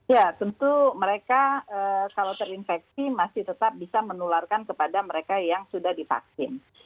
ya tentu mereka kalau terinfeksi masih tetap bisa menularkan kepada mereka yang sudah divaksin